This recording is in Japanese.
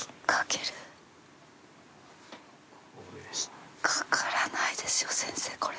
引っかからないですよ先生これ。